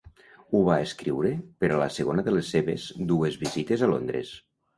Ho va escriure per a la segona de les seves dues visites a Londres.